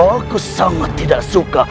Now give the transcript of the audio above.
aku sangat tidak suka